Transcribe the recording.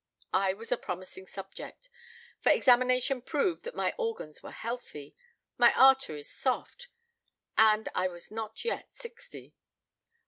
I was a promising subject, for examination proved that my organs were healthy, my arteries soft; and I was not yet sixty.